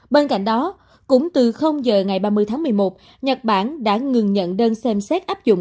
bên cạnh đó cũng từ giờ ngày ba mươi tháng một mươi một nhật bản đã ngừng nhận đơn xem xét áp dụng